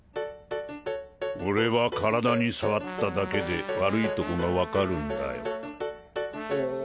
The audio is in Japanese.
俺は身体に触っただけで悪いとこがわかるんだよ。